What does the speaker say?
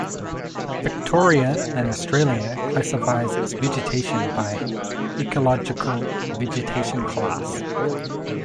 Victoria in Australia classifies its vegetation by Ecological Vegetation Class.